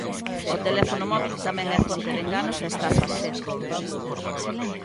O teléfono móbil tamén é fonte de enganos e estafas.